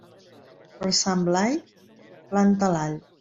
Per Sant Blai, planta l'all.